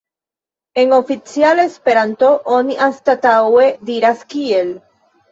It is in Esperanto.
En oficiala Esperanto oni anstataŭe diras "kiel".